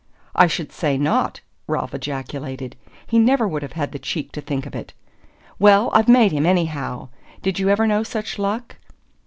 "I should say not!" Ralph ejaculated. "He never would have had the cheek to think of it." "Well, I've made him, anyhow! Did you ever know such luck?"